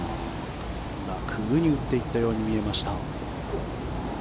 楽に打っていったように見えました。